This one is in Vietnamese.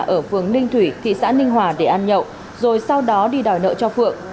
ở phường ninh thủy thị xã ninh hòa để ăn nhậu rồi sau đó đi đòi nợ cho phượng